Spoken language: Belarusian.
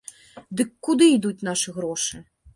Дык куды ідуць нашы грошы?